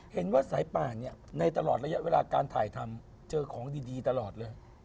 เห็นว่าสายป่านเนี่ยในตลอดระยะเวลาการถ่ายทำเจอของดีตลอดเลย